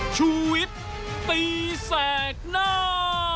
ชุวิตตีแสกหน้า